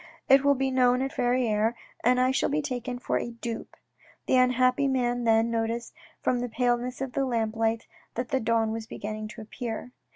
It will be known at Verrieres, and I shall be taken for a dupe." The unhappy man then noticed from the paleness of the lamplight that the dawn was beginning to appear.